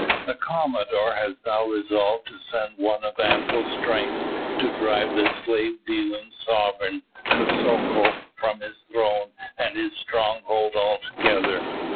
The commodore has now resolved to send one of ample strength to drive the slave dealing sovereign, Kosoko, from his throne and his stronghold altogether.